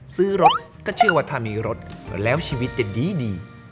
ซื้อรถก็เชื่อว่าถ้ามีรถแล้วชีวิตจะดี